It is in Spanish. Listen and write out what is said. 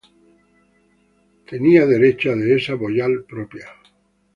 Tenía derecho a dehesa boyal propia.